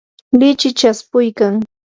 lichiy chaspuykan.